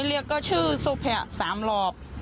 เรียกก็ชื่อโศกแผล๓รอบ